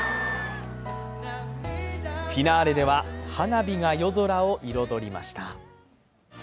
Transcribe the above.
フィナーレでは、花火が夜空を彩りました。